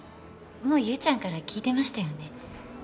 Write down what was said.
もう優ちゃんから聞いてましたよね。